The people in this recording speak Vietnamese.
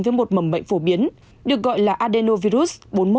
với một mầm bệnh phổ biến được gọi là adenovirus bốn mươi một